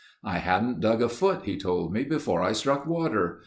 "I hadn't dug a foot," he told me "before I struck water.